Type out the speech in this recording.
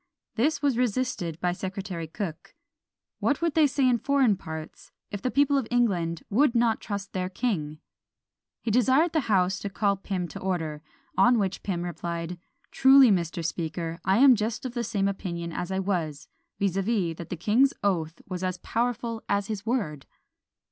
This was resisted by Secretary Cooke; "What would they say in foreign parts, if the people of England would not trust their king?" He desired the house to call Pym to order; on which Pym replied, "Truly, Mr. Speaker, I am just of the same opinion I was; viz., that the king's oath was as powerful as his word."